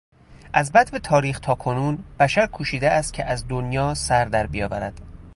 از بدو تاریخ تاکنون بشر کوشیده است که از دنیا سردر بیاورد.